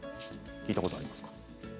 聞いたことありますか。